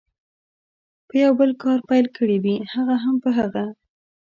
په یو بل کار پیل کړي وي، هغه هم په هغه.